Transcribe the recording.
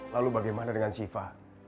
lalu bagaimana dengan siva